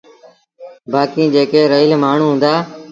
بآڪيٚن جيڪي رهيٚل مآڻهوٚݩ هُݩدآ۔